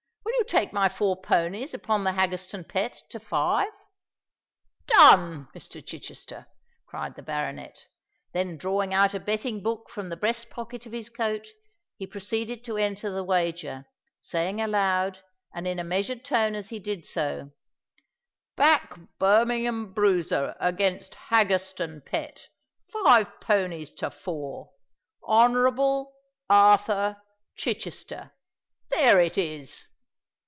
"Will you take my four ponies upon the Haggerstone Pet to five?" "Done, Mr. Chichester!" cried the baronet: then drawing out a betting book from the breast pocket of his coat, he proceeded to enter the wager, saying aloud and in a measured tone as he did so, "Back Birmingham Bruiser against Haggerstone Pet—five ponies to four—Honourable—Arthur—Chichester. There it is!"